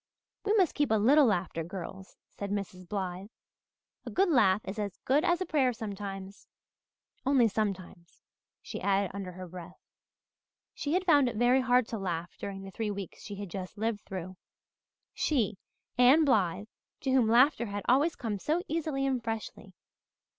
"We must keep a little laughter, girls," said Mrs. Blythe. "A good laugh is as good as a prayer sometimes only sometimes," she added under her breath. She had found it very hard to laugh during the three weeks she had just lived through she, Anne Blythe, to whom laughter had always come so easily and freshly.